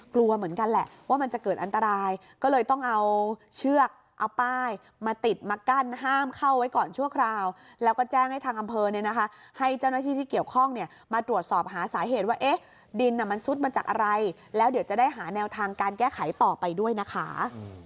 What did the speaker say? กลัวเหมือนกันแหละว่ามันจะเกิดอันตรายก็เลยต้องเอาเชือกเอาป้ายมาติดมากั้นห้ามเข้าไว้ก่อนชั่วคราวแล้วก็แจ้งให้ทางอำเภอเนี่ยนะคะให้เจ้าหน้าที่ที่เกี่ยวข้องเนี่ยมาตรวจสอบหาสาเหตุว่าเอ๊ะดินมันซุดมาจากอะไรแล้วเดี๋ยวจะได้หาแนวทางการแก้ไขต่อไปด้วยนะคะ